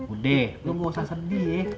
udah lu gak usah sedih ye